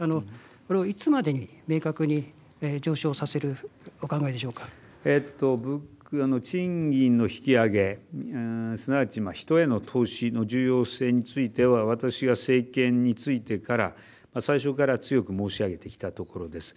これをいつまでに明確に賃金の引き上げすなわち人への投資の重要性については私が政権についてから最初から強く申し上げてきたところです。